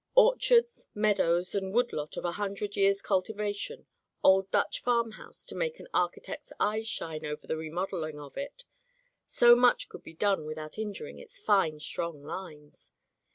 Orchards, meadows, and wood lot of a hundred years' cultivation, old Dutch farm house to make an architect's eyes shine over the remodelling of it, so much could be done without injuring its fine, strong lines.